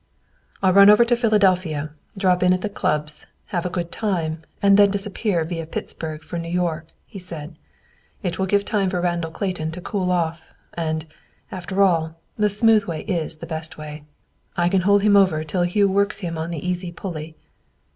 "I'll run over to Philadelphia, drop in at the clubs, have a good time, and then disappear via Pittsburgh 'for New York,'" he said. "It will give time for Randall Clayton to cool off. And, after all, the smooth way is the best way. I can hold him over till Hugh works him 'on the easy pulley.'"